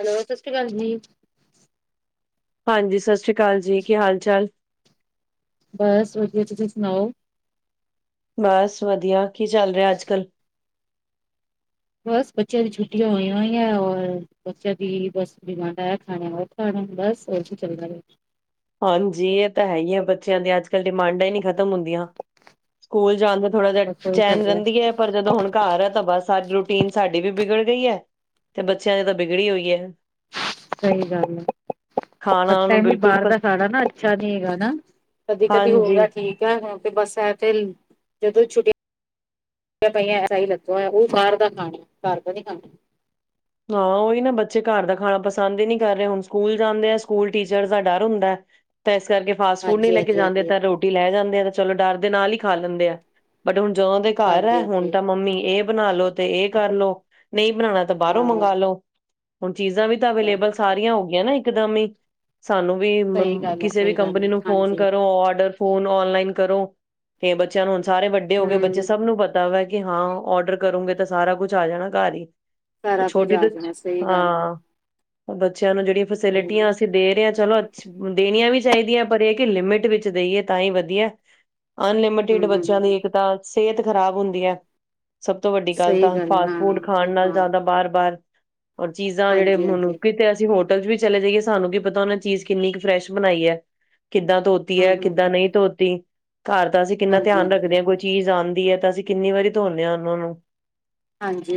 Hello ਸਤਿ ਸ੍ਰੀ ਅਕਾਲ ਜੀ। ਹਾਂਜੀ ਸਤਿ ਸ੍ਰੀ ਅਕਾਲ ਜੀ ਕੀ ਹਾਲ ਚਾਲ? ਬਸ ਵਧੀਆ ਤੁਸੀਂ ਸੁਣਾਓ? ਬਸ ਵਧੀਆ ਕੀ ਚੱਲ ਰਿਹਾ ਅੱਜ ਕਲ? ਬਸ ਬੱਚਿਆਂ ਦੀ ਛੁੱਟੀਆਂ ਹੋਈਆਂ ਹੋਈ ਹੈ ਰ ਬੱਚਿਆਂ ਦੀ ਬਸ ਬਿਮ ਖਾਣੇ ਬ ਖਾ ਬਸ ਉ ਚੱਲਦਾ ਰਿ। ਹਾਂਜੀ ਇਹ ਤਾਂ ਹੈ ਹੀ ਹੈ ਬੱਚਿਆਂ ਦੇ ਅੱਜ ਅੱਜ ਕੱਲ ਡਿਮਾਂਡਾਂ ਹੀ ਨਹੀਂ ਖਤਮ ਹੁੰਦੀਆਂ ਸਕੂਲ ਜਾਣ ਦਾ ਥੋੜਾ ਜਿਹਾ ਬਸ ਉਹੀ ਚੱਲ ਚੈਨ ਰਿਹਾ ਰਹਿੰਦੀ ਹੈ ਪਰ ਜਦੋਂ ਹੁਣ ਘਰ ਆ ਤਾਂ ਬਸਾਰੀ ਰੂਟੀਨ ਸਾਡੀ ਵੀ ਵਿਗੜ ਗਈ ਹੈ ਤੇ ਬੱਚਿਆਂ ਦੀ ਤਾਂ ਬਿਗੜੀ ਹੋਈ ਹੈ। ਸਹੀ ਗੱਲ ਹੈ ਖਾਣਾ ਟ ਉਹਨੂੰ ਵੀ ਬਿਲਕੁਲ ਬਾਹਰ ਪ- ਦਾ। ਾ ਨਾ ਅੱਛਾ ਨੀ ਹੈਗਾਾ ਕਦੀ ਕਦੀ ਹੋ ਹਾਂਜੀ। ਗਿਆ ਠੀਕ ਹੈ ਤੇ ਬਸ ਐ ਤੇੇ ਜਦੋਂ ਛੁੱਟ ਪਆਂ ਐਸ ਹੀ ਲੱ ਉਹ ਬਾਹਰ ਦਾ ਖਾਣਾ ਘਰ ਦਾ ਨੀ ਖਾਣਾ। ਹਾਂ ਉਹੀ ਨਾ ਬੱਚੇ ਘਰ ਦਾ ਖਾਣਾ ਪਸੰਦ ਹੀ ਨਹੀਂ ਕਰ ਰਹੇ ਹੁਣ ਸਕੂਲ ਜਾਂਦੇ ਆ ਸਕੂਲ ਟੀਚਰ ਦਾ ਡਰ ਹੁੰਦਾ ਤਾਂ ਇਸ ਕਰਕੇ ਫਾਸਟ ਫੂਡ ਨਹੀਂ ਹਾਂਜੀ ਲੈ ਕੇ ਹਾਂਜੀ ਜਾਂਦੇ ਹਾਂਜੀ ਤਾਂ ਰੋਟੀ ਲੈ ਜਾਂਦੇ ਆ ਤੇ ਚਲੋ ਡਰ ਦੇ ਨਾਲ ਹੀ ਖਾ ਲੈਂਦੇ ਆ ਬਟ ਹੁਣ ਜ ਦੇ ਘਰ ਹਾਂਜੀ ਹੈ ਹੁਣ ਹਾਂਜੀ ਹਾਂ ਤਾਂ ਮੰਮੀ ਇਹ ਬਣਾ ਲੋ ਤੇ ਇਹ ਕਰਲੋ ਨਹੀਂ ਬਣਾਣਾ ਬਾਹਰੋਂ ਮੰਗ ਲੋੋ। ਚੀਜ਼ਾਂ ਵੀ ਤਾਂ ਅਵੇਲੇਬਲ ਸਾਰੀਆਂ ਹੋ ਗਈਆਂ ਨਾ। ਇਕਦਮ ਹੀ ਸਾਨੂੰ ਵੀ ਸਹੀ ਗੱਲ ਹੈ ਕਿਸੇ ਵੀ ਸਹੀ ਗੱਲ ਹੈ ਕੰਪਨੀ ਨੂੰ ਫੋਨ ਹਾਂਜੀ ਕਰੋ ਔਡਰ ਫੋਨ ਔਨਲਾਈਨ ਕਰੋ ਤੇ ਬੱਚਿਆਂ ਨੂੰ ਹ ਸਾਰੇ ਵੱਡੇ ਹੋ ਗਏ ਬੱਚੇ ਹਮ ਸਭ ਨੂੰ ਪਤਾ ਵਾ ਕਿ ਕਿ ਹਾਂ ਔਡਰ ਕਰੋਂਗੇ ਤਾਂ ਸਾਰਾ ਕੁਛ ਆ ਜਾਣਾ ਘਰ ਹੀ ਸਾਰਾ ਕੁੱਝ ਛੋਟੀ ਆ ਤਾਂ ਜਾਣਾ ਸਹੀ ਗੱਲ ਹਾਂ। ਉਹ ਬੱਚੀ ਨੂੰ ਜਿਹੜ ਹੈ ਫੈਿਲਿਟੀਆਂ ਅਸੀਂ ਦੇ ਰਹੇ ਹਾਂ ਚਲੋ ਦੇਣੀਆਂ ਵੀ ਚਾਹੀਦੀਆਂ ਪਰ ਇਹ ਕਿ ਲਿਮਿਟ ਵਿੱਚ ਦੇਈਏ ਤਾਂ ਹੀ ਵਧੀਆ। ਅਨਲਿਮਿਟਿਡ ਬੱਚਿਆਂ ਦੀ ਹੂੰ-ਹੂੰ, ਏਕਤਾ ਸਿਹਤ ਖ਼ਰਾਬ ਹੁੰਦੀ ਹੈ। ਸਭ ਤੋਂ ਵੱਡੀ ਗੱਲ ਸਹੀ ਤਾਂ ਹੈ। ਫਾਸਟ ਹਾਂ, ਫੂਡ ਖਾਣ ਨਾਲ। ਹਾਂ, ਜ਼ਿਆਦਾ ਬਾਰ-ਬਾਰ ਔਰ ਚੀਜ਼ਾਂ ਜਿਹੜੇ ਮਨੂੰ ਹਾਂਜੀ-ਹਾਂਜੀ। ਕਿਤੇ ਅਸੀਂ ਹੋਰ ਹੋਟਲ 'ਚ ਵੀ ਚਲੇ ਜਾਈਏ ਸਾਨੂੰ ਕੀ ਪਤਾ ਉਹੇ ਚੀਜ਼ ਕਿੰਨੀ ਕੁ ਫਰੈਸ਼ ਬਣਾਈ ਐ। ਕਿੱਦਾਂ ਧੋਤੀ ਹੈ ਕਿੱਦਾਂ ਨਹੀਂ ਹੂੰ-ਹੂੰ-ਹੂੰ, ਧੋਤੀ। ਘਰ ਦਾ ਅਸੀਂ ਕਿੰਨਾ ਧਿਆਨ ਹਾਂਜੀ-ਹਾਂਜੀ, ਰੱਖਦੇ ਹਾਂ ਕੋਈ ਚੀਜ਼ ਆਂਦੀ ਐ ਤਾਂ ਅਸੀਂ ਕਿੰਨੀ ਵਾਰੀ ਧੋਨੇ ਹਾਂ ਉਹਨਾਂ ਨੂੰ।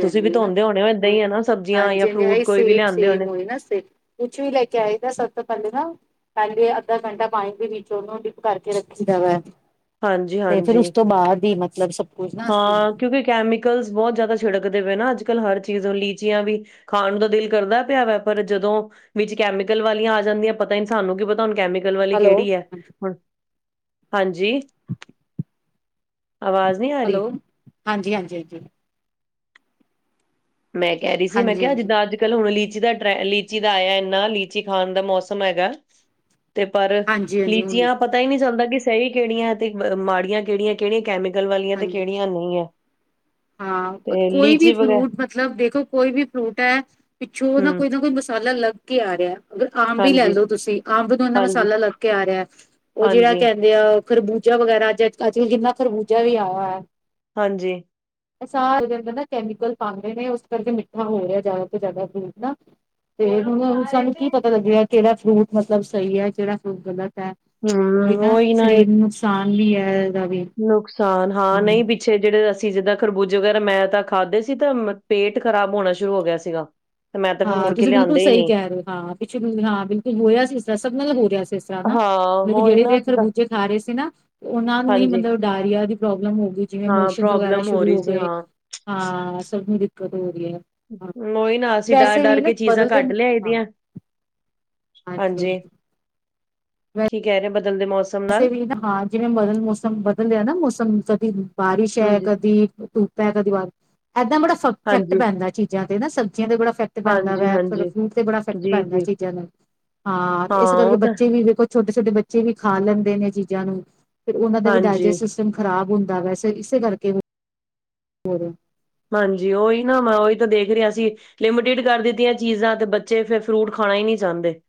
ਤੁਸੀਂ ਵੀ ਧੋਂਦੇ ਹੋਣੇ ਹੋ ਏਦਾਂ ਹੀ ਹੈ ਨਾ ਸਬਜ਼ੀਆਂ ਜਾਂ ਫਰੂਟ ਹਾਂਜੀ-ਹਾਂਜੀ ਕੋਈ ਵੀ ਸੇਮ ਲਿਆਂਦੇ ਹੋਣੇ ਸੇਮ ਹੋ ਨਾ ਕੁਛ ਵੀ ਲੈ ਕੇ ਆਏਗਾ ਸਭ ਤੋਂ ਪਹਿਲੇ ਨਾ ਪਹਿਲੇ ਅੱਧਾ ਘੰਟਾ ਪਾਣੀ ਦੇ ਵਿੱਚ ਉਹਨੂੰ ਡਿਪ ਕਰਕੇ ਰੱਖੀ ਦਾ ਵੇ। ਹਾਂਜੀ-ਹਾਂਜੀ, ਮਤਲਬ ਸਭ ਕੁਛ ਨਾ ਅਸੀਂ ਹਾਂ ਕਿਉਂਕਿ ਕੈਮੀਕਲਸ ਬਹੁਤ ਜ਼ਿਆਦਾ ਛਿੜਕਦੇ ਪਏ ਨਾ ਅੱਜਕੱਲ੍ਹ ਹਰ ਚੀਜ਼ ਲੀਚੀਆਂ ਵੀ ਖਾਣ ਦਾ ਦਿਲ ਕਰਦਾ ਪਿਆ ਵਾ ਪਰ ਜਦੋਂ ਵਿੱਚ ਕੈਮੀਕਲ ਵਾਲੀਆਂ ਆ ਜਾਂਦੀਆਂ ਪਤਾ ਸਾਨੂੰ ਕੀ ਪਤਾ ਹੁਣ ਕੈਮੀ ਕਲ ਵਾਲੀ ਹੈਲੋ, ਕਿਹੜੀ ਏ। ਹੁਣ ਹਾਂਜੀ ਆਵਾਜ਼ ਨਹੀਂ ਆ ਹੈਲੋ ਰਹੀ ਹਾਂਜੀ ਹਾਂਜੀ ਹਾਂਜੀ। ਮੈਂ ਕਹਿ ਰਹੀ ਸੀ ਮੈਂ ਕਿਹਾ ਹਾਂਜੀ-ਹਾਂਜੀ, ਜਿੱਦਾਂ ਅੱਜਕੱਲ੍ਹ ਹੁਣ ਲੀ ਲੀਚੀ ਦਾ ਲੀਚੀ ਦਾ ਆਇਆ ਇੰਨਾ ਲੀਚੀ ਖਾਣ ਦਾ ਮੌਸਮ ਹੈਗਾ ਤੇ ਪਰ, ਹਾਂਜੀ-ਹਾਂਜੀ ਹੁਣ ਲੀਚੀਆਂ ਪਤਾ ਹੀ ਨਹੀਂ ਚਲਦਾ ਸਹੀ ਕਿਹੜੀਆਂ ਤੇ ਮਾੜੀਆਂ ਕਿਹੜੀਆਂ-ਕਿਹੜੀਆਂ ਕੈਮੀ ਕਲ ਵਾਲੀਆਂ ਤੇ ਹਾਂਜੀ। ਕਿਹੜੀਆਂ ਨਹੀਂ ਹੈ। ਹਾਂ ਤੇ ਕੋਈ ਵੀ ਲੀਚੀ ਵਗੈਰਾ ਫਰੂਟ ਮਤਲਬ ਮਤਲਬ ਦੇਖੋ ਕੋਈ ਵੀ ਫਰੂਟ ਹੈ ਪਿੱਛੋਂ ਨਾ ਹਮ ਕੋਈ ਨਾ ਕੋਈ ਮਸਾਲਾ ਲੱਗ ਕੇ ਆ ਰਿਹਾ, ਅਗਰ ਅੰਬ ਹੀ ਲੈ ਹਾਂਜੀ ਲੋ ਤੁਸੀਂ ਅੰਬ ਨੂੰ ਇਨਾ ਹਾਂਜੀ ਮਸਾਲਾ ਲੱਗ ਕੇ ਆ ਰਿਹਾ। ਉਹ ਜਿਹੜਾ ਹਾਂਜੀ ਕਹਿੰਦੇ ਆ ਖਰਬੂਜਾ ਵਗੈਰਾ ਅੱਜ ਅੱਜਕੱਲ ਜਿੰਨਾ ਖਰਬੂਜਾ ਵੀ ਆਇਆ ਹੋਇਆ। ਹਾਂਜੀ ਉਹ ਸਾਰੇ ਨਾ ਕੈਮੀਕਲ ਪਾਉਂਦੇ ਨੇ ਉਸ ਕਰਕੇ ਮਿੱਠਾ ਹੋ ਰਿਹਾ ਜ਼ਿਆਦਾ ਤੋਂ ਜ਼ਿਆਦਾ ਫਰੂਟ ਨਾ। ਤੇ ਹੁਣ ਸਾਨੂੰ ਕੀ ਪਤਾ ਲੱਗਿਆ ਕਿਹੜਾ ਫਰੂਟ ਮਤਲਬ ਸਹੀ ਹੈ ਜਿਹੜਾ ਫਰੂਟ ਗਲਤ ਹੈ। ਉਹੀ ਨਾ ਸਰੀਰ ਨੂੰ ਨੁਕਸਾਨ ਕਦੀ ਹੈ ਇਹਦਾ ਵੀ ਨੁਕਸਾਨ ਹਾਂ ਹਮ ਨਹੀਂ ਪਿੱਛੇ ਜਿਹੜੇ ਸੀ ਜਿੱਦਾਂ ਖਰਬੂਜੇ ਵਗੈਰਾ ਮੈਂ ਤਾਂ ਖਾਧੇ ਸੀ ਤਾਂ ਪੇਟ ਖ਼ਰਾਬ ਹੋਣਾ ਸ਼ੁਰੂ ਹੋ ਗਿਆ ਸੀਗਾ ਤੇ ਮੈਂ ਤਾਂ ਫਿਰ ਹਾਂ ਮੁੜ ਕੇ ਤੁਸੀਂ ਬਿਲਕੁਲ ਲਿਆਂਦੇ ਹੀ ਸਹੀ ਨਹੀਂ ਕਹਿ ਰਹੇ ਹੋ ਹਾਂ ਪਿੱਛੇ ਹਾਂ ਬਿਲਕੁਲ ਹੋੋਹਾਆ ਸੀ ਇਸ ਤਰ ਸਭ ਨਾਲ ਦਾ ਬੋ ਰਿਹਾ ਸੀ ਇਸ ਹਾਂ ਮਤਲਬ ਕਿ ਹੋਈ ਜਿਹੜੇ ਨਾ ਤੇ ਅਸੀਂ ਤਾਂ ਖਰਬੂਚੇ ਖਾ ਰਹੇ ਸੀ ਨਾ ਉਹਨਾ ਨੂੰ ਹੀ ਹਾਂਜੀ ਮਤਲਬ ਡਾਇਰੀਆ ਦੀ ਪ੍ਰੋਬਲਮ ਹੋ ਗਈ ਜਿਵੇਂ ਹਾਂ ਮੋਸ਼ਨ ਵਗੈਰਾ ਪ੍ਰੋਬਲਮ ਸ਼ੁਰੂ ਰਹੀ ਹੋ ਸੀ ਗਏ ਹਾਂ ਹਾਂ ਸਭ ਕਰ ਉਹੀ ਨਾ ਅਸੀਂ ਡਰ ਵੀ ਡਰ ਨਾ ਕੇ ਚੀਜ਼ਾਂ ਬਦਲਦੇ ਕੱਟ ਮ- ਲਿਆ ਇਹ ਹਾਂ ਦੀਆਂ ਹਾਂਜੀ ਕੀ ਕਹਿ ਰਹੇ ਬਦਲਦੇ ਮੌਸਮ ਵਸੇ ਨਾਲ ਵੀ ਹਾਂ ਜਿਵੇਂ ਬਦ ਮੌਸਮ ਬਦਲਦੇ ਆ ਨਾ ਮੌਸਮ ਹ ਬਾਰਿਸ਼ ਹੈ ਹਾਂਜੀ ਕਦੀ ਧੂਪ ਹੈ ਕਦੀ ਵਾਰ ਇਏਦਾਂ ਬੜਾ ਇਫੈਕਟ ਹਾਂਜੀ ਪੈਂਦਾ ਚੀਜ਼ਾਂ ਤੇ ਨਾ ਸਬਜ਼ੀਆਂ ਤੇ ਬੜਾ ਇਫੈਕਟ ਪੈਂਦਾ ਹਾਂਜੀ ਵਾ ਫ ਹਾਂਜੀ ਫਰੂਟ ਤੇ ਬੜਾ ਇਫੈਕਟ ਜੀ ਪੈਂਦਾ ਜੀ ਚੀਜ਼ਾਂ ਨੂੰ ਹਾਂ ਇਸ ਕਰਕੇ ਉਹ ਤਾਂ ਬੱਚੇ ਵੀ ਦੇਖੋ ਛਟੇ ੋਟੇੱਚੇ ਵੀ ਖਾ ਲੈਂਦੇ ਨੇ ਚੀਜ਼ਾਂ ਨੂੰ ਫਿਰ ਉਹਨਾ ਦਾ ਵੀ ਹਾਂਜੀ ਡਾਇਜੈਸਟ ਸਿਸਟਮ ਖਰਾਬ ਹੁੰਦਾ ਵੈਸੇ ਇਸੇ ਕਰਕੇ ਹੋ ਰਿ ਹਾਂਜੀ ਉਓਹੀ ਨਾ ਮੈਂ ਉਹੀ ਤਾਂ ਦੇਖ ਰਿਹਾ ਅਸੀਂ ਲਿਮਟਿਡ ਕਰ ਦਿੱਤੀਆਂ ਚੀਜ਼ਾਂ ਤੇ ਬੱਚੇ ਫਿਰ ਫਰੂਟ ਖਾਣਾ ਹੀ ਨਹੀਂੀ ਚਾਹੁੰਦੇ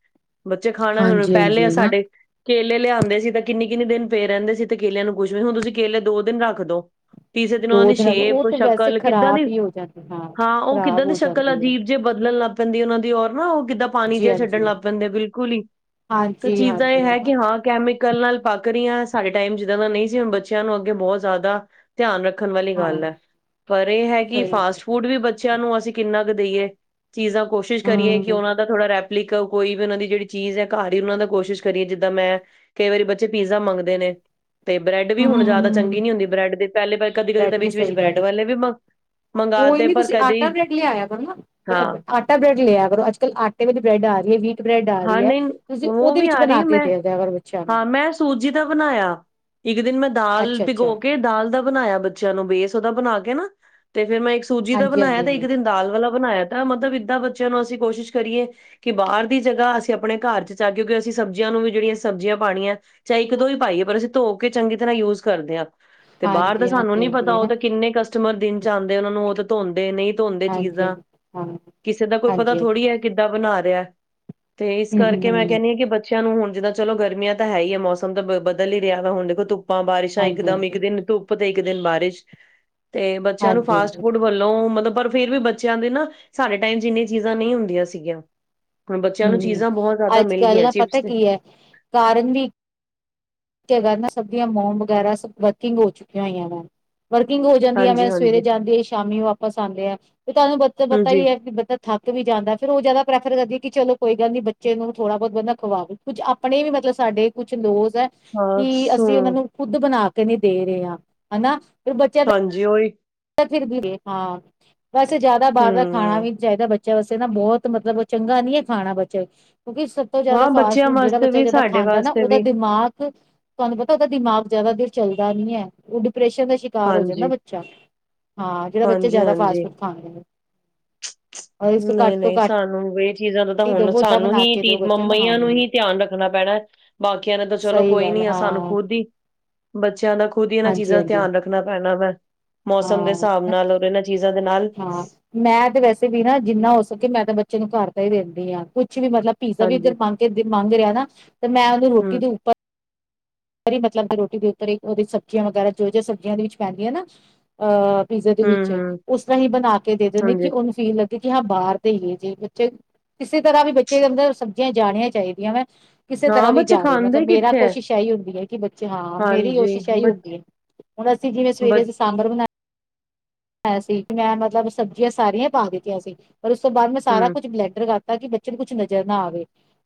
ਬੱਚੇ ਖਾਣਾ ਹੁਣ ਹਾਂਜੀ ਪਹਿਲੇ ਹਾਂਜੀ ਆ ਹਨਾ ਸਾਡੇ ਕੇਲੇ ਲਿਆਂਦੇ ਸੀ ਤਾਂ ਕਿੰਨੀ ਕਿੰੇ ਦਿਨ ਪਏ ਰਹਿੰਦੇ ਸੀ ਤੇ ਕੇਲਿਆਂ ਨੂੰ ਕੁੱਛ ਵੀ ਹੁਣ ਤੁਸੀਂ ਕੇਲੇ ਦੋ ਦਿਨ ਰੱਖ ਦੋ ਤੀਸਰੇ ਉਹਨਾਂ ਦੋ ਦੀ ਦਿਨ ਉਹ ਸ਼ੇਪ ਤੇ ਵੈਸੇ ਸ਼ਕਲ ਕਿੱਦਾਂ ਖ਼ਰਾਬ ਦੀ ਹੀ ਹੋ ਜਾਂਦੀ ਹਾਂ ਉਹ ਕਿੱਦਾਂ ਖ਼ਰਾਬ ਦੀ ਹੋ ਸ਼ਕਲ ਜਾਂਦੀ ਹੈ ਅਜੀਬ ਜੇ ਬਦਲ ਲੱਗ ਪ ਜਾਂਦੀ ਉਹ ਦੀ ਰ ਨਾ ਉਹ ਕਿੱਦਾਂ ਪਾਣੀ ਜੀ ਜਿਹਾ ਛੱਡਣ ਹਾਂਜੀ ਲੱਗ ਪੈਂਦੇ ਬਿਲਕੁਲ ਹੀ ਤਾਂ ਹਾਂਜੀ ਚੀਜ਼ਾਂ ਇਹ ਹਾਂਜੀ ਹੈ ਕਿ ਹਾਂ ਕੈਵੇ ਕੱਲ ਨਾਲ ਪੱਕ ਰਹੀ ਹਾਂ ਸਾਡੇ ਟਾਈਮ ਜਿੱਦਾਂ ਦਾ ਨਹੀਂ ਸੀ ਬੱਚਿਆਂ ਨੂੰ ਅੱਗੇ ਬਹੁਤ ਜ਼ਿਆਦਾ ਧਿਆਨ ਰੱਖ ਰਣ ਵਾਲੀ ਗੱਲ ਹੈ ਪਰ ਇਹ ਹੈ ਕਿ ਸਹੀ ਫਾਸਟ ਗੱਲ। ਫੂਡ ਵੀ ਬੱਚਿਆਂ ਨੂੰ ਅਸੀਂ ਕਿੰਨਾ ਦੇਈਏ ਚੀਜ਼ਾਂ ਕੋਸ਼ਿਸ਼ ਕਰੀਏ ਕਿ ਹਮ ਉਹਨਾਂ ਦਾ ਥੋੜ੍ਹਾ ੋ ਕੋਈ ਵੀ ਉਹਨਾਂ ਦੀ ਜਿਹੜੀ ਚੀਜ਼ ਹੈ ਘਰ ਹੀ ਉਹਨਾਂ ਦਾ ਕੋਸ਼ਿਸ਼ ਕਰੀਏ ਜਿੱਦਾਂ ਮੈਂ ਕਈ ਵਾਰੀ ਬੱਚੇ ਪੀਜ਼ਾ ਮੰਗਦੇ ਨੇ ਤੇ ਬ੍ਰੈੱਡ ਵੀ ਹੁਣ ਜ਼ਿਆਦਾ ਹਮ ਚੰਗੀ ਨੀ ਹੁੰਦੀ ਬ੍ਰੈਡ ਦੇ ਪਹਿਲੇ ਪਹਿ ਕਦੀ ਕਦੇ ਤਾਂ ਬ੍ਰੈਡ ਵੀ ਵਿੱਚ ਸਹੀ ਬ੍ਰੈਡ ਗੱਲ ਵਾਲੇ ਵੀ ਮੰਗ ਕੋਈ ਮੰਗਾਤੇ ਨੀ ਪਰ ਤੁਸੀਂ ਕਦੇ ਆਟਾ ਬਰੈਡ ਲਿਆਇਆ ਕਰੋ ਨਾ ਹਾਂ ਆਟਾ ਬ੍ਰੈਡ ਲਿਆ ਕਰੋ ਅੱਜ ਕੱਲ ਆਟੇ ਵਿੱਚ ਬ੍ਰੈਡ ਆ ਰਹੀ ਹੈ ਵੀ ਹਾਂ ਨਹੀਂ ਉਹ ਵੀ ਆ ਰਹੀ ਕੇ ਮੈਂ ਦੇ ਦਿਆ ਕਰੋ ਬੱਚਿਆਂ ਨੂੰ ਹਾਂ ਮੈਂ ਸੂਜੀ ਦਾ ਬਣਾਇਆ ਇੱਕ ਦਿਨ ਮੈਂ ਦਾਲ ਅੱਛਾ ਅੱਛਾ ਭਿਗੋ ਕੇ ਦਾਲ ਦਾ ਬਣਾਇਆ ਬੱਚਿਆਂ ਨੂੰ ਬੇਸ ਉਹਦਾ ਬਣਾ ਕੇ ਨਾ ਤੇ ਫੇਰ ਮੈਂ ਸੂਜੀ ਦਾ ਹਾਂਜੀ ਬਣਾਇਆ ਹਾਂਜੀ ਤੇ ਇੱਕ ਦਿਨ ਦਾਲ ਵਾਲਾ ਬਣਾਇਆ ਤਾਂ ਮਤਲਬ ਏਦਾਂ ਬੱਚਿਆਂ ਨੂੰ ਅਸੀਂ ਕੋਸ਼ਿਸ਼ ਕਰੀਏ ਕਿ ਬਾਰ ਦੀ ਜਗ੍ਹਾ ਅਸੀਂ ਆਪਣੇ ਘਰ ਚ ਆ ਕਿਉਂਕਿ ਅਸੀਂ ਸਬਜ਼ੀਆਂ ਨੂੰ ਵੀ ਜਿਹੜੀਆਂ ਸਬਜ਼ੀਆਂ ਪਾਣੀਆਂ ਚਾਹੇ ਇੱਕ ਦੋ ਹੀ ਪਾਈਏ ਪਰ ਅਸੀ ਧੋ ਕੇ ਚੰਗੀ ਤਰ੍ਹਾਂ ਯੂਜ ਕਰਦੇ ਹਾਂ। ਤੇ ਬਾਹਰ ਤਾਂ ਹਾਂਜੀ ਹਾਂਜੀ ਸਾਨੂੰ ਹਾਂਜੀ ਨੀ ਪਤਾ ਹਾਂਜੀ ਉਹ ਨਾ ਤਾਂ ਕਿੰਨੇ ਕਸਟਮਰ ਦਿਨ ਚ ਆਂਦੇ ਉਹ ਨੂੰ ਉਹ ਤਾਂ ਧੋਂਦੇ ਨੀ ਧੋਂਦੇ ਹਾਂਜੀ ਹਾਂਜੀ ਚੀਜ਼ਾਂ ਹਾਂ ਕਿਸੇ ਦਾ ਕੋਈ ਪਤਾ ਹਾਂਜੀ ਥੋੜ੍ਹੀ ਹੈ ਕਿੱਦਾਂ ਬਨਾ [unintelligible] ਤੇ ਇਸ ਹੂੰ ਹੂੰ ਕਰਕੇ ਮੈਂ ਹੂੰ ਕਹਿੰਦੀ ਹਾਂ ਕਿ ਬਚ ਨੂੰ ਹੁਣ ਜਿੱਦਾਂ ਚਲੋ ਗਰਮੀਆਂ ਤਾਂ ਹੈ ਹੀ ਆ ਮੌਸਮ ਤਾਂ ਬਦਲ ਹੀ ਰਿਹਾ ਵ ਹੁਣ ਦੇਖੋ ਧੁਪ ਪਾ ਬਾਰਿਸ਼ਾਂ ਇਕ ਹਾਂਜੀ ਦਮ ਹਾਂਜੀ ਇੱਕ ਦਿਨ ਧੁੱਪ ਤੇ ਇਕ ਦਿਨ ਬਾਰਿਸ਼। ਤੇ ਬੱਚਿਆਂ ਨੂੰ ਹਾਂਜੀ ਫਾਸਟ ਹਾਂਜੀ ਫੂਡ ਵੱਲੋਂ ਮਲਬ ਪਰ ਫਿਰ ਵੀ ਬੱਚਿਆਂ ਦੇ ਨਾ ਸਾਡੇ ਟਾਈਮ ਚ ਇੰਨੀਆਂ ਚੀਜ਼ਾਂ ਨਹੀਂ ਹੁੰਦੀਆਂ ਸੀਗੀਆਂ। ਹੁਣ ਬੱਚਿਆਂ ਨੂੰ ਹਮ ਚੀਜ਼ਾਂ ਬਹੁਤ ਜ਼ਿਆਦਾ ਅੱਜ ਮਿਲ ਕੱਲ ਗਈਆਂ ਦਾ ਚਿਪਸ ਪਤਾ ਤੇ ਕੀ ਹੈ ਕਾਰਨ ਵੀ ਤੇ ਹੈਗਾ ਨਾ ਸਭ ਦੀਆਂ ਮੋਮ ਵਗੈਰਾ ਸ ਵਰਕਿੰਗ ਹੋ ਚੁੱਕੀਆਂ ਹੋਈਆਂ ਨੇ। ਵਰਕਿੰਗ ਹੋ ਜਾਂਦੀਆ ਹਾਂਜੀ ਨੇ ਸਵੇਰੇ ਹਾਂਜੀ ਜਾਂਦੀ ਆ ਸ਼ਾਮੀ ਵਾਪਸ ਆਉਂਦੇ ਆ ਫ ਤੁਹਾਨੂੰ ਬ ਪਤਾ ਹਾਂਜੀ ਹੀ ਹੈ ਬ ਥੱਕ ਵੀ ਜਾਂਦਾ ਫੇਰ ਉਹ ਜ਼ਿਆਦਾ ਪ੍ਰੈਫਰ ਕਰਦੀ ਕਿ ਚਲੋ ਕੋਈ ਗੱਲ ਨੀ ਬੱਚੇ ਨੂੰ ਥੋੜਾ ਬਹੁਤ ਬੰਦਾ ਖਵਾਓੋ ਕੁੱਝ ਆਪਣੇ ਵੀ ਮਤਲਬ ਸਾਡੇ ਕੁਛ ਲੋਜ਼ ਹੈ। ਹਾਂ ਕਿ ਸੋ ਅਸੀਂ ਉਹਨਾ ਨੂੰ ਖੁੱਦ ਬਨਾ ਕਿ ਨਹੀਂ ਦੇ ਰਹੇ ਹ ਹਨਾ। ਬੱਚਿਆਂ ਹਾਂਜੀ ਉਹੀ [unintelligible] ਹਾਂ। ਵੈਸੇ ਜ਼ਿਆਦਾ ਬਾਹਰ ਦਾ ਖਾਣਾ ਹੂੰ ਵੀ ਨਹੀਂ ਚਾਹੀਦਾ ਬੱ ਚਾ ਆਸੇ ਨਾ ਬਹੁਤ ਮਤਲਬ ਚੰਗਾ ਨੀ ਹੈ ਖਾਣਾ ਬੱ ਕਿਉਂਕਿ ਸਭ ਤੋਂ ਜਿਆਦਾ ਹਾਂ ਫਾਸਟ ਬੱਚਿਆਂ ਫੂਡ ਜਿਹੜਾ ਵਾਸਤੇ ਬੱਚਾ ਵੀ ਜਦਾ ਸਾਡੇ ਖਾਂਦਾ ਨਾ ਵਾਸਤੇ ਉਹਦਾ ਵੀ ਦਿਮਾਕ ਤੁਹਾਨੂੰ ਪਤਾ ਉਹਦਾ ਦਿਮਾਗ ਜ਼ਿਆਦਾ ਦੇਰ ਚੱਲਦਾ ਨੀ ਹੈ ਉਹ ਡਿ ਪਰੈਸ਼ਨ ਦਾ ਸ਼ਿਕਾਰ ਹੋ ਜਾਂਦਾ ਹਾਂਜੀ ਬੱਚਾ। ਹਾਂ ਜਿਹੜਾ ਬੱਚੇ ਹਾਂਜੀ ਜ਼ਿਆਦਾ ਫਾਸਟ ਹਾਂਜੀ ਫੂਡ ਖਾਦੇ ਨੇ। ਔਰ ਇਸ ਤੋਂ ਘੱਟ ਤੋਂ ਨਹੀਂ-ਨਹੀਂ ਘੱਟ ਸਾਨੂੰ ਇਹ ਚੀਜ਼ਾਂ ਦਾ ਤਾਂ ਹੀ ਹੁਣ ਦਵੋ ਓਦਾਂ ਸਾਨੂੰ ਬਣਾ ਕੇ ਹੀ ਦਿਓ ਬੱਚੇ ਹਾਂ ਮੰਮੀਆਂ ਨੂੰ ਹੀ ਧਿਆਨ ਰੱਖਣਾ ਪੈਣਾ ਬਾਕੀਆਂ ਨੇ ਤਾਂ ਚਲੋ ਸਹੀ ਕੋਈ ਗੱਲ ਨੀ ਆ ਹਾਂ ਸਾਨੂੰ ਖੁਦ ਹੀ ਬੱਚਿਆਂ ਦਾ ਖੁਦ ਹੀ ਇਹਨਾਂ ਹਾਂਜੀ ਚੀਜ਼ਾਂ ਦਾ ਹਾਂਜੀ ਧਿਆਨ ਰੱਖਣਾ ਪੈਣਾ ਵੈ। ਮੌਸ ਮ ਦੇ ਹਾਂ ਹਿਸਾਬ ਨਾਲ ਔਰ ਇਹਨਾਂ ਚੀਜ਼ਾਂ ਹਾਂ ਮੈਂ ਤੇ ਵੈਸੇ ਵੀ ਨਾ ਜਿੰਨਾ ਦੱਸੋ ਕਿ ਮੈਂ ਤਾਂ ਬੱਚੇ ਨੂੰ ਘਰ ਤਾਂ ਹੀ ਦਿੰਦੀ ਹਾਂ ਕੁਛ ਵੀ ਮਤਲਬ ਪੀਜ਼ਾ ਵੀ ਹਾਂਜੀ। ਇੱਧਰ ਮੰਾਂ ਕੇ ਮੰਗ ਰਿਹਾ ਨਾ ਤੇ ਮੈਂ ਉਹਨੂੰ ਰੋਟੀ ਦੇ ਉੱਪਰ ਪਰ ਮਤਲਬ ਰੋਟੀ ਦੇ ਉੱਤੇ ਉਹਦੀ ਸਬਜ਼ੀਆਂ ਵਗੈਰਾ ਜੋ ਜ ਸਬਜ਼ੀਆਂ ਦੇ ਵਿੱਚ ਪੈਂਦੀਆਂ ਨਾ ਅਹ ਪੀਜ਼ਾ ਦੇ ਵਿੱਚ ਹੂੰ-ਹੂੰ-ਹੂੰ ਉਸ ਤਰ੍ਹਾਂ ਹੀ ਬਣਾ ਕੇ ਦੇ ਦਿੰਦੇ ਕਿ ਹਾਂਜੀ ਉਹਨੂੰ ਫੀਲ ਲਗੇ ਕਿ ਹਾਂ ਬਾਹਰ ਤੇ ਹੀ ਜੇ ਬੱਚੇ ਕਿਸੇ ਤਰ੍ਹਾਂ ਵੀ ਬੱਚੇ ਅੰਦਰ ਸਬਜ਼ੀਆਂ ਜਾਣੀਆਂ ਚਾਹੀਦੀਆਂ ਵੈਂ ਕਿਸੇ ਨਾ ਤਰ੍ਹਾਂ ਵੀ ਬੱਚੇ ਜਾਵੇ ਖਾਂਦੇ ਮਤਲਬ ਮੇਰਾ ਕਿੱਥੇ ਐ। ਕੋਸ਼ਿਸ਼ ਹੈ ਹੀ ਹੁੰ ਕਿ ਬੱਚੇ ਹਾਂ ਮੇਰੀ ਹਾਂਜੀ ਕੋਸ਼ਿਸ਼ ਇਹੀ ਬ ਹੁੰਦੀ ਹੈ ਹੁਣ ਅਸੀਂ ਜਿਵੇਂ ਸਵੇਰੇ ਬ ਅਸੀਂ ਸਾਂਬਰ ਬਣਾ ਅ ਸੀ ਮੈਂ ਮਤਲਬ ਸਬਜ਼ੀਆਂ ਸਾਰੀਆਂ ਪਾ ਦਿੱਤੀਆਂ ਸੀ ਪਰਰ ਉਸ ਤੋਂ ਬਾਅਦ ਮੈਂ ਸਾਰਾ ਹੂੰ ਕੁਛ ਬਲੈਡਰ ਕਰ ਤਾਂ ਕਿ ਬੱਚੇ ਨੂੰ ਕੁਛ ਨਜ਼ਰ ਨਾ ਆਵੇ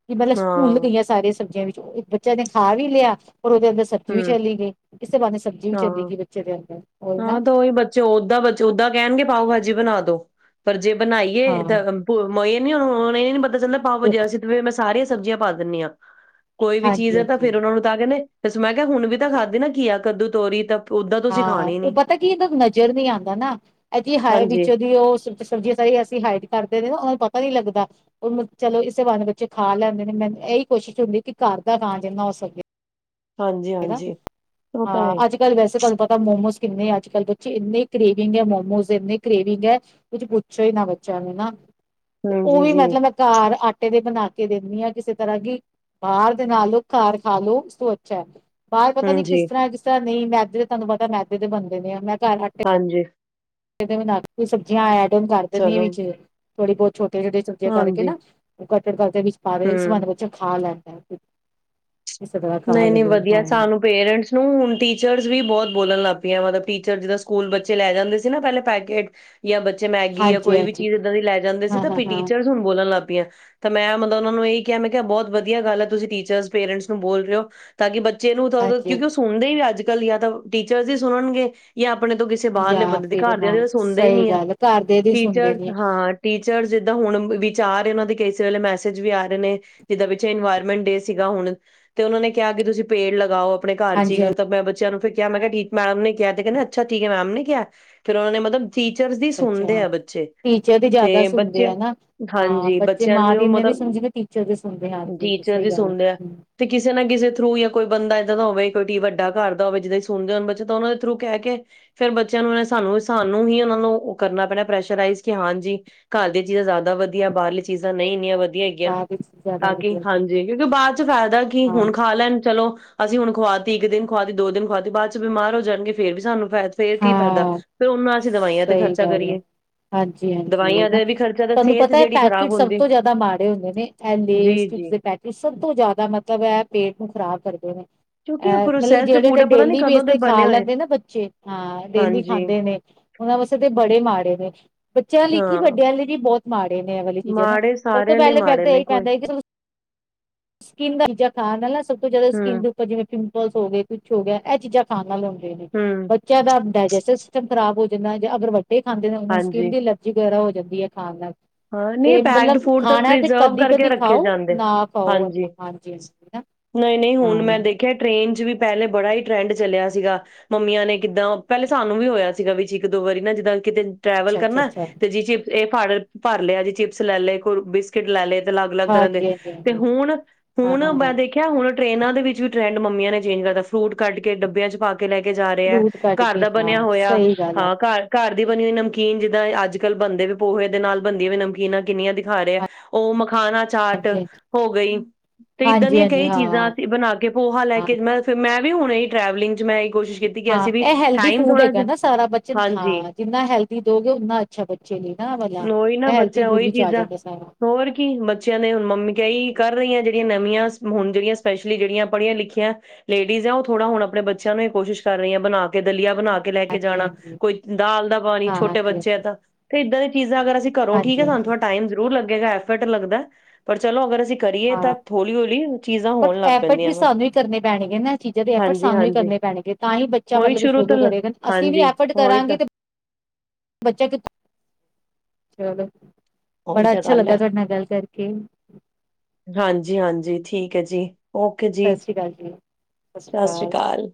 ਵੀ ਮਤਲਬ ਸਕੂਲ ਹਾਂ ਗਈਆਂ ਸਾਰੀਆਂ ਸਬਜ਼ੀਆਂ ਵੀ ਇੱਕ ਬੱਚਾ ਨੇ ਖਾ ਵੀ ਲਿਆ ਰ ਉਹਦੇ ਅੰਦਰ ਸਬਜ਼ੀ ਵੀ ਹੂੰ ਚੱਲੀ ਗਈ ਕਿਸਤੇ ਬੇ ਸਬਜ਼ੀ ਵੀ ਚੱਲ ਹਾਂ। ਗਈ ਬੱਚੇ ਦੇ ਅੰਦਰ ਹੋਰ ਨਾ ਹਾਂ ਤਾਂ ਉਹੀ ਜੀ ਬਣਾ ਦੋ ਪਰ ਜੇ ਬਣਾਈਏ ਹਾਂ ਤਾਂ ਮੋਏ [inaudible] [inaudible] ਉਹ ਸਾਰੀਆਂ ਸਬਜ਼ੀਆਂ ਪਾ ਦਿਨੀਂ ਆ ਕੋਈ ਵੀ ਹਾਂਜੀ ਚੀਜ਼ ਹੈ ਤਾਂ ਹਾਂਜੀ ਫੇਿਰ ਉਹਨਾ ਨੂੰ ਤਾਂ ਕਹਿੰਦੇ ਤੇ ਮੈਂ ਕਿਹਾ ਹੁਣ ਵੀ ਤਾਂ ਖਾਧੀ ਨਾ ਕੀਆ ਕੱਦੂ ਤੋਰੀ ਤਾਂ ਓਦਾਂ ਤੁਸੀਂ ਹਾਂ ਖਾਣੀ ਉਹ ਨੀ। ਪਤਾ ਕੀ ਇਹਦਾ ਨਜ਼ਰ ਨਹੀਂੀ ਆਉਂਦਾ ਨਾ ਇਥ ਹ ਹਾਂਜੀ, ਵਿੱਚੋਂ ਦੀ ਉਹ ਸਬਜ਼ੀਆਂ ਸਾਰੀ ਅਸੀਂ ਹਾਈਟ ਕਰਦੇ ਨੇ ਉਹ ਨੂੰ ਪਤਾ ਪਤਾ ਨ ਲੱਗਦਾ ਉਹ ਚਲੋ ਇਸੇ ਬੰਦ ਵਿੱਚ ਖਾ ਲੈਂਦੇ ਨੇ ਮੈਂ ਇਹੀ ਕੋਸ਼ਿਸ਼ ਹੁੰਦੀ ਕਿ ਘਾਰ ਦਾ ਜਿੰਨਾ ਹੋ ਸਕੇ ਹਾਂਜੀ, ਠ ਹਾਂ ਹਾਂਜੀ ਉਹ ਤਾਂ ਹੈ। ਅੱਜ ਕੱਲ ਵੈਸੇ ਤੁਹਾਨੂੰ ਪਤਾ ਮੋਮੋਸ ਕਿੰਨੇ ਅੱਜ ਕੱਲ੍ਹ ਬੱਚੇ ਇੰਨੇ ਕਰੇਵਿੰਗ ਹੈ ਮੋਮੋਸ ਇੰਨੇ ਕਰੇਵਿੰਗ ਹੈ ਕੁੱਝ ਪੁੱਛੋ ਹੀ ਨਾ ਬੱਚਿਆਂ ਨੂੰ ਹਨ ਤੇ ਉਹ ਹਾਂਜੀ ਵੀ ਜੀ, ਮਤਲਬ ਮੈਂ ਘਰ ਆ ੱਟੇ ਦੇ ਬਣਾ ਕੇ ਦੇਿੰਣੀ ਆ ਕਿਸੇ ਤਰ੍ਹਾਂ ਕੀ ਬਾਹਰ ਦੇ ਨਾਲ ਲਓ ਘਰ ਖਾ ਲੋ ਉਸ ਤੋਂ ਅੱਛਾ ਹੈ ਬਾਰੇ ਪਤਾ ਨੀ ਕਿਸ ਹਾਂਜੀ, ਤਰ੍ਹਾਂ ਕਿਸ ਤਰ੍ਹਾਂ ਨਹੀਂ ਮੈਦੇ ਤੇ ਤੁਹਾਨੂੰ ਪਤਾ ਮੈਦੇ ਦੇ ਬਣਦੇ ਨੇ ਆ ਮੈਂ ਹਾਂਜੀ ਤੇ ਮੂੰ ਕੋਈ ਸਬਜ਼ੀਆਂ ਆਇਆ ਉਹ ਕਰਦੇ ਨੇ ਚਲੋ ਵਿਚ ਥੋੜੀ ਬਹੁਤ ਛੋਟੇ ਛੋਟੇ ਸਬੀਆਂ ਕਰਕੇ ਹਾਂਜੀ ਨਾ ਉਹ ਕੱੜ ਦੇ ਵਿੱਚ ਪਾ ਰਹੇ ਹੂੰ। ਸੰਬੰਧ ਬੱਚਾ ਖਾ ਲੈਣ ਅ ਨਹੀਂ ਨਹੀਂ ਵਧੀਆ ਸਾਨੂੰ ਪੇਰੈਂਟਸ ਨੂੰ ਹੁਣ ਟੀਚਰਸ ਵੀ ਬਹੁਤ ਬੋਲਣ ਲੱਗ ਪ ਮਤਲਬ ਟੀਚਰ ਜਿੱਦਾਂ ਸਕੂਲ ਬੱਚੇ ਲੈ ਜਾਂਦੇ ਸੀ ਨਾ ਪਹਿਲਾ ਪੈਕੇਟ ਯਾ ਬੱਚੇ ਮੈਗੀ ਜਾਂ ਹਾਂਜੀ ਕੋਈ ਵੀ ਹਾਂਜੀ ਚੀਜ਼ ਇੱਦਾਂ ਦੀ ਲੈ ਜਾਂਦੇ ਸੀ ਹਾਂ ਤਾਂ ਹਾਂ ਹਾਂ ਹਾਂਜੀ ਟੀਚਰਸ ਹੁਣ ਬੋਲਣ ਲੱਗ ਪਈਆਂ ਤਾਂ ਮੈਂ ਮਤਲਬ ਉਹਨਾਂ ਨੂੰ ਇਹੀ ਕਿਹਾ ਮੈਂ ਕਿਹਾ ਬਹੁਤ ਵਧੀਆ ਗੱਲ ਹੈ ਤੁਸੀਂ ਟੀਚਰਸ ਪੇਰੈਂਟਸ ਨੂੰ ਬੋਲ ਤਾਂ ਕਿ ਬੱਚ ਬੱਚੇ ਨੂੰ ਹਾਂਜੀ ਕਿਉਂਕਿ ਉਹ ਸੁਣਦੇ ਹੀ ਨੀ ਅੱਜ ਗੱਲ ਯਾ ਤਾਂ ਟੀਚਰ ਦੀ ਸੁਣਨਗੇ ਯਾ ਆਪਣੇ ਤੋਂ ਕਿਸੇ ਬਾਹਰਲੇ ਜਾਂ ਬੰਦੇ ਦੇ ਫਿਰ ਘਰਦਿਆਂ ਹਾਂ ਦੀ ਤਾ ਸੁਣਦੇ ਹੀ ਸਹੀ ਨੀ ਆ ਗੱਲ ਘਰ ਦੇ ਦੀ ਸੁਣਦੇ ਟੀਚਰਸ ਨੀ ਹਾਂ ਟੀਚਰ ਜਿਦਾਂ ਹੁਣ ਵੀ ਚਾਰ ਇਹਨਾਂ ਦੇ ਕਈ ਵੇਲੇ ਮੈਸੇਜ ਵੀ ਆ ਰਹੇ ਨੇ ਜਿਦਾਂ ਵਿੱਚ ਇਨਵਾਇਰਮੈਂਟ ਡੇ ਸੀਗਾ ਹੁਣ ਤੇ ਉਹਨਾਂ ਨੇ ਕਿਹਾ ਕਿ ਤੁਸੀਂ ਪੇੜ ਲਗਾਓ ਆਪਣੇ ਘਰ ਚ ਹੀ ਹਾਂਜੀ ਹਾਂਜੀ ਮੈਂ ਬੱਚਿਆਂ ਨੂੰ ਫ ਕਿਹਾ ਮੈਂ ਕਿਹਾ ਮੈਮ ਨੇ ਕਿਹਾ ਤੇ ਕਹਿੰਦਾ ਅੱਛਾ ਠੀਕ ਹੈ ਮੈਮ ਨੇ ਕਿਹਾ ਫੇਰ ਉਹਨੇ ਮਤਲਬ ਟੀਚਰਸ ਦੀ ਅੱਛਾ ਸੁਣਦੇ ਅੱਛਾ ਆ ਬੱਚੇ ਟੀਚਰ ਦੀ ਜ਼ਿਆਦਾ ਤੇ ਸੁਣਦੇ ਬੱਚੇ ਆ ਨਾ ਹਾਂ ਹਾਂਜੀ ਬੱਚੇ ਬੱਚਿਆਂ ਮਾਂ ਦੀ ਨੂੰ ਇਨੀਆਂ ਨ ਮਤਲਬ ਸੁਣਦੇ ਟੀਚਰ ਦੀ ਸੁਣਦੇ ਹਾਂਜੀ ਹ ਟੀਚਰਸ ਸਹੀ ਹੀ ਗੱਲ ਸੁਣਦੇ ਆ। ਤੇ ਕਿਸੇ ਨਾ ਕਿਸੇ ਥਰੂ ਜਾਂ ਕੋਈ ਬੰਦਾ ਇੱਦਾਂ ਦਾ ਹੋਵੇ ਕੋਈ ਵੱਡਾ ਘਰ ਦਾ ਹੋਵੇ ਜਿੱਦਾਂ ਸੁਣਦੇ ਹੋਣ ਬੱਚੇ ਤਾਂ ਉਹਨਾਂ ਦੇ ਥਰੂ ਕਹਿ ਕੇ ਫੇਰ ਬੱਚਿਆਂ ਨੂੰ ਸਾਨੂੰ ਸਾਨੂੰ ਹੀ ਉਹਨਾਂ ਨੂੰ ਕਰਨਾ ਪੈਣਾ ਪ੍ਰੈਸ਼ਰਾਈਜ਼ ਕਿ ਹਾਂਜੀ ਘਰ ਦੀਆਂ ਚੀਜ਼ਾਂ ਜ਼ਿਆਦਾ ਵਧੀਆ ਬਾਹਰਲੀ ਚੀਜ਼ਾਂ ਨਹੀਂ ਇੰਨੀਆਂ ਵਧ ਹੈਗੀਆਂ ਬਾਅਦ ਵਿੱਚ ਜ਼ਿਆਦਾ ਤਾਂ ਕਿ ਵਧੀਆ ਹਾਂਜੀ ਕਿਉਂਕਿ ਬਾਅਦ ਚ ਫਾਇਦਾ ਕੀ ਹਾਂ ਹੁਣ ਖਾ ਲੈਣ ਚਲੋ ਅਸੀਂ ਹੁਣ ਖੁਵਾ ਤੀ ਇੱਕ ਦਿਨ ਖੁਆਤੀ ਦੋ ਦਿਨ ਖੁਆਤੀ ਬਾਅਦ ਚ ਬਿਮਾਰ ਹੋ ਜਾਣਗੇ ਫੇਰ ਵੀ ਸਾਨੂੰ ਫ ਫੇਰ ਕੀ ਫਾਇਦਾ। ਹਾਂ ਫੇਰ ਉਹਨਾਂ ਅਸੀਂ ਦਵਾਈਆਂ ਤੇ ਸਹੀ ਖਰਚਾ ਗੱਲ ਹੈ ਕਰੀਏ ਹਾਂਜੀ ਹਾਂਜੀ ਦਵਾਈਆਂ ਨਾ ਤੇ ਵੀ ਖਰਚਾ ਤਾਂ ਤੁਹਾਨੂੰ ਸਿਹਤ ਪਤਾ ਹੈ ਜਿਹੜੀ ਪੈਕੇਟ ਖ਼ਰਾਬ ਸਭ ਹੁੰਦੀ ਤੋਂ ਜ਼ਿਆਦਾ ਮਾੜੇ ਹੁੰਦੇ ਨੇ ਐ ਜੀ ਲੈਸ ਜੀ ਚਿਪਸ ਦੇ ਪੈਕੇਟ ਸਭ ਤੋਂ ਜ਼ਿਆਦਾ ਮਤਲ ਤੇ ਇਹ ਪੇਟ ਨੂੰ ਖਰਾਬ ਕਰਦੇ ਨੇ ਕਿਉਂਕਿ ਇਹ ਅ ਮਤਲਬ ਪ੍ਰੋਸੈਸਡ ਫੂਡ ਜਿਹੜੇ ਹੈ ਪਤਾ ਨੀ ਡੇਲੀ ਕਦੋਂ ਬੇਸ ਦੇ ਤੇ ਬਣੇ ਖਾ ਹੋਏ। ਲੈਂਦੇ ਨਾ ਬੱਚੇ ਹਾਂ ਡੇਲੀ ਹਾਂਜੀ ਖਾਂਦੇ ਨੇ ਉਹਨਾਂ ਵਾਸਤੇ ਤੇ ਬੜੇ ਮਾੜੇ ਨੇ ਬੱਚਿਆਂ ਲਈ ਕੀ ਹਾਂ ਵੱਡਿਆਂ ਲਈ ਵੀ ਬਹੁਤ ਮਾਰ ਇਹ ਵਾਲੀ ਚੀਜ਼ਾਂ ਨਾ ਮਾੜੇ ਸਭ ਤੋਂ ਸਾਰਿਆਂ ਲਈ ਪਹਿਲੇ ਫੇਰ ਮਾੜੇ ਤਾਂ ਨੇ ਇਹੀ ਕੋਈ ਪੈਂਦਾ ਸੀ ਸ਼ੌਕੀਨ ਸਭ ਖਾਣ ਲਈ ਤੋਂ ਜ਼ਿਆਦਾ ਹੂੰ ਸਕੀਮ ਦੇ ਉਪਰ ਜਿਵੇਂ ਸ ਹੋ ਗਏ ਕੁਛ ਹੋ ਗਿਆ ਇਹ ਚੀਜ਼ਾਂ ਖਾਣ ਨਾਲੋ ਹੋਣ ਨੇ ਹੂੰ ਬੱਚਿਆਂ ਦਾ ਡਾਇਜੈਸਟਿਵ ਸਿਸਟਮ ਖਰਾਬ ਹੋ ਜਿੰਨਾ ਅਗਰ ਇਹ ਖਾਂਦੇ ਨੇ ਸਕਿਨ ਹਾਂਜੀ ਦੀ ਅਲਰਜੀ ਵਗੈਰਾ ਹੋ ਜੱਦੀ ਹੈ ਖਾਣ ਦਾ ਹਾਂ ਨਹੀਂ ਪੈਕਡ ਫੂਡ ਤਾਂ ਪ੍ਰਜ਼ਰਵ ਕਦੀ ਕਰਕੇ ਕਦੀ ਰੱਖੇ ਖਾਓ ਜਾਂਦੇ ਨਾ ਖਾਓ ਹਾਂਜੀ ਹਾਂਜੀ ਨਹੀਂ ਨਹੀਂ ਹੁਣ ਹਾਂ ਮੈਂ ਦੇਖਿਆ ਟ੍ਰੇਨ ਚ ਵੀ ਪਹਿਲੇ ਬੜਾ ਹੀ ਟਰੈਂਡ ਚੱਲਿਆ ਸੀਗਾ ਮੰਮੀਆਂ ਨੇ ਕਿੱਦਾਂ ਪਹਿਲੇ ਸਾਨੂੰ ਵੀ ਹੋਇਆ ਸੀਗਾ ਵਿੱਚ ਇੱਕ ਦੋ ਵਾਰੀ ਨਾ ਜਿੱਦਾਂ ਕਿਤੇ ਟਰੈਵਲ ਅੱਛਾ ਅੱਛਾ ਕਰਨਾ ਅੱਛਾ ਤੇ ਜਿ ਚੇ ਇਹ ਫੜ ਭਰ ਲਿਆ ਜੀ ਚਿਪਸ ਲੈ ਲਏ ਕੋਈ ਬਿਸਕਿਟ ਲੈ ਲਏ ਅਲੱਗ ਅਲੱਗ ਤਰ੍ਹਾਂ ਦੇ ਹਾਂਜੀ ਹਾਂਜੀ ਤੇ ਹਾਂਜੀ ਹੁਣ ਹਾਂ ਹੁਣ ਹਾਂ ਹਾਂ ਮੈਂ ਦੇਖਿਆ ਹੁਣ ਟ੍ਰਰੇਨਾਂ ਦੇ ਵਿੱਚ ਵੀ ਟਰੈਂਡ ਮੰਮੀਆਂ ਨੇ ਚੇਂਜ ਕਰ ਦਿੱ ਫਰੂਟ ਕੱਢ ਕੇ ਡੱਬਿਆਂ ਚ ਪਾ ਕੇ ਕੇ ਲੈ ਕੇ ਜਾ ਰਹੇ ਹੈ ਫਰੂਟ ਕੱਢ ਘਰ ਕੇ ਦਾ ਹਾਂ ਬਣਿਆ ਹੋਇਆ ਸਹੀ ਗੱਲ ਆ ਹਾਂ ਘਰ ਘਰ ਦੀ ਬਣੀ ਹੋਈ ਨਮਕੀਨ ਜਿੱਦਾਂ ਅੱਜ ਕੱਲ ਬਦੇ ਪੋਹੇ ਦੇ ਨਾਲ ਬੰਦੀਆਂ ਵੀ ਨਮਕੀਨਾਂ ਕਿੰਨੀਆਂ ਦਿਖਾ ਰਿਹਾ ਹੈ ਉਹ ਖਾਣਾ ਚਾਟ ਹਾਂਜੀ ਹਾਂਜੀ ਹੋ ਗਈ ਤੇ ਇੱਦਾਂ ਹਾਂਜੀ ਦੀਆਂ ਹਾਂਜੀ ਕਈ ਹਾਂ ਚੀਜ਼ਾਂ ਅਸੀਂ ਬਣਾ ਕੇ ਪੋਹਾ ਲੈ ਹਾਂ ਕੇ ਮੈਂ ਫਿਰ ਮੈਂ ਵੀ ਹੋਣੇ ਹੀ ਟਰੈਵਲਿੰਗ 'ਚ ਮੈਂ ਇਹੀ ਕੋਸ਼ਿਸ਼ ਕੀਤੀ ਕਿ ਹਾਂ ਅਸੀਂ ਵੀ ਇਹ ਹੈਲਦੀ ਟਾਈਮ ਫੂਡ ਥੋੜਾ ਹੈਗਾ ਜਿਹਾ ਨਾ ਸਾਰਾ ਬੱਚਨ ਹਾਂਜੀ, ਹਾਂ ਜਿੰਨਾ ਹੈਲਦੀ ਦਓਗੇ ਉਓਨਾ ਅੱਛਾ ਬੱਚੇ ਲਈ ਨਾਤਬ ਉਹੀ ਨਾ ਬੱਚਾ ਉਹੀ ਚੀਜ਼ਾਂ ਹੋਰ ਕੀ ਬੱਚਿਆਂ ਨੇ ਹੁਣ ਮੰਮੀ ਕਹੀ ਕਰ ਰਹੀਆਂ ਜ ਨਵੀਆਂ ਹੁਣ ਜਿਹੜੀਆਂ ਸਪੈਸ਼ਲੀ ਜਿਹੜੀਆਂ ਪੜ੍ਹੀਆਂ ਲਿਖੀਆਂ ਲੇਡੀਜ਼ ਆ ਉਹ ਥੋੜਾ ਹੁਣ ਆਪਣੇ ਬੱਚਿਆਂ ਨੂੰ ਇਹ ਕੋਸ਼ਿਸ਼ ਕਰ ਰਹੀਆਂ ਬਣਾ ਕੇ ਦਲਆ ਬਣਾ ਕੇ ਲੈ ਕੇ ਹਾਂਜੀ ਜਾਣਾ ਹਾਂਜੀ ਕੋਈ ਦਾਲ ਦਾ ਪਾਣੀ ਹਾਂ ਛੋਟੇ ਹਾਂਜੀ ਬੱਚੇ ਆ ਹਾਂਜੀ ਤਾਂ ਇੱਦਾਂ ਦੇ ਅਗਰ ਅਸੀਂੋ ਹਾਂਜੀ ਠੀਕ ਹਾਂਜੀ ਸਾਨੂੰ ਟਾਈਮ ਜ਼ਰੂਰ ਲੱਦਾ ਐਫਰਟ ਲੱਗਦਾ ਪਰ ਚਲੋ ਅਗਰ ਅਸੀਂ ਕਰੀਏ ਹਾਂ ਤਾਂ ਹੌਲੀ-ਹੌਲੀ ਚੀਜ਼ਾਂ ਪਰ ਹੋਣ ਲੱਗ ਐਫਰਟ ਵੀ ਪੈਂਦੀਆਂ ਵਾ। ਸਾਨੂੰ ਹੀ ਕਰਨੇ ਪੈਣਗੇ ਨਾ ਚੀਜ਼ਾਂ ਦੇ ਐਫਰਟ ਸਾਨੂੰ ਹੀ ਹਾਂਜੀ-ਹਾਂਜੀ। ਕਰਨੇ ਪੈਣਗੇ ਤਾਂ ਹੀ ਬੱਚਾ ਉਹੀ ਮਤਲਬ ਸ਼ੁਰੂ ਤੋਂ ਉਦੋਂ ਲ ਕਰੇਗਾ ਅਸੀਂ ਵੀ ਹਾਂਜੀ ਐਫਰਟ ਉਹੀ ਤਾਂ ਕਰਾਂਗੇ ਤੇ ਬੱਚਾ ਕਿਥ ਚਲੋ ਉਹੀ ਬੜਾ ਤਾਂ ਅੱਛਾ ਗੱਲ ਲੱਗਾ ਹੈ। ਤੁਹਾਡੇ ਨਾਲ ਗੱਲ ਕਰਕੇ ਹਾਂਜੀ ਹਾਂਜੀ ਠੀਕ ਹੈ ਜੀ ਓਕੇ ਜੀ ਸਤਿ ਸ੍ਰੀ ਅਕਾਲ ਜੀ ਸਤਿ ਸ੍ਰੀ ਅਕਾਲ